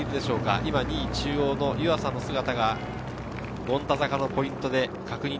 今、２位・中央の湯浅の姿が、権太坂のポイントで確認。